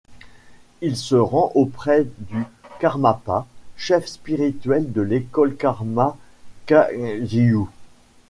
Il se rend auprès du Karmapa, chef spirituel de l'école Karma Kagyu.